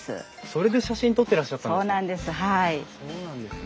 それで写真撮ってらっしゃったんですね。